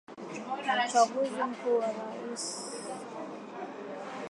Uchaguzi Mkuu wa Urais Kenya hali ilivyokuwa katika vituo vya kupiga kura